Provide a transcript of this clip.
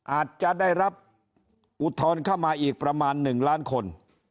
อาจจะได้รับอุทธรณ์เข้ามาอีกประมาณ๑ล้านคน